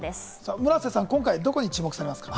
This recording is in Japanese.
村瀬さん、今回どこに注目されますか？